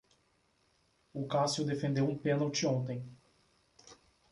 O Cássio defendeu um pênalti ontem.